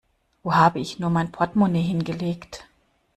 Wo habe ich nur mein Portemonnaie hingelegt?